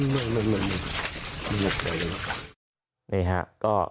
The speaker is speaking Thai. นี่ฮะก็